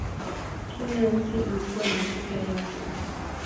Kila nchi ilikuwa na pesa yake.